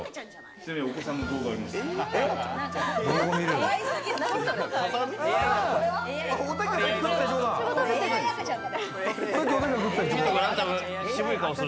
ちなみに、お子さんの動画あります。